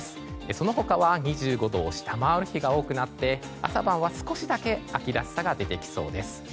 その他は２５度を下回る日が多くなって朝晩は少しだけ秋らしさが出てきそうです。